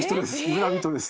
村人です。